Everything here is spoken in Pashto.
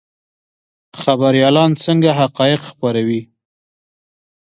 خبریالان څنګه حقایق خپروي؟